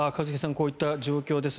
こういった状況です。